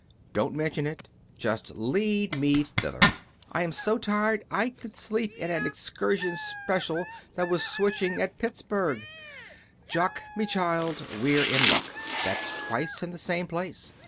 "Don't mention it. Just lead me thither. I'm so tired I could sleep in an excursion special that was switching at Pittsburgh. Jock, me child, we're in luck. That's twice in the same place.